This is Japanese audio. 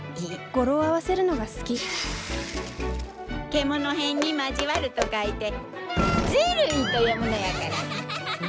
語呂を合わせるのが好き「けものへん」に「交わる」と書いて「狡い」と読むのやから！